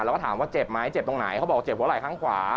แล้วก็ถามว่าเจ็บไหมเจ็บตรงไหนเขาบอกเจ็บหัวไหล่ข้างขวา